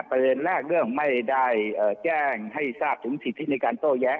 ประเด็นแรกเรื่องไม่ได้แจ้งให้ทราบถึงสิทธิในการโต้แย้